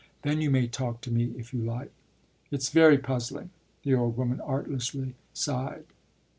Then you may talk to me if you like." "It's very puzzling!" the old woman artlessly sighed.